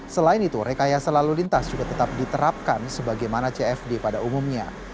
selain itu rekayasa lalu lintas juga tetap diterapkan sebagaimana cfd pada umumnya